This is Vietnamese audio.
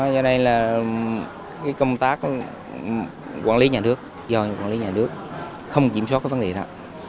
do này là công tác quản lý nhà nước do quản lý nhà nước không kiểm soát cái vấn đề đó